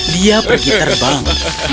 dia pergi terbang